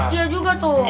iya juga tuh